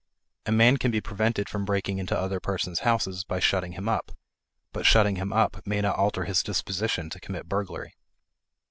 A man can be prevented from breaking into other persons' houses by shutting him up, but shutting him up may not alter his disposition to commit burglary.